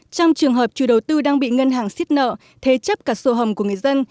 trong trường hợp chủ đầu tư đang bị ngân hàng xít nợ thế chấp cả sổ hồng của người dân